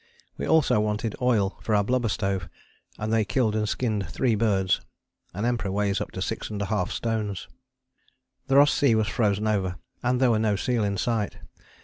We also wanted oil for our blubber stove, and they killed and skinned three birds an Emperor weighs up to 6½ stones. The Ross Sea was frozen over, and there were no seal in sight.